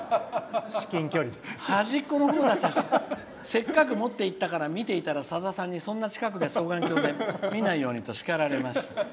端っこのほうだと思ったらせっかく持っていったらさださんにさださんにそんな近くで双眼鏡で見ないようにと叱られました。